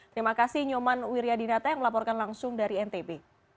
terima kasih nyoman wiryadinata yang melaporkan langsung dari ntb